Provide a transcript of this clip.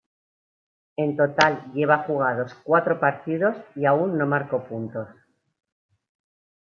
En total lleva jugados cuatro partidos y aún no marcó puntos.